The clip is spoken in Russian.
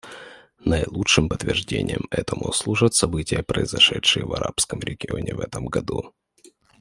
Наилучшим подтверждением этому служат события, произошедшие в арабском регионе в этом году.